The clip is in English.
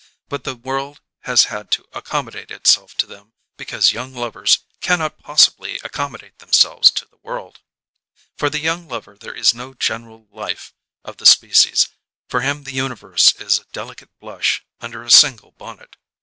But the world has had to accommodate itself to them because young lovers cannot possibly accommodate themselves to the world. For the young lover there is no general life of the species; for him the universe is a delicate blush under a single bonnet.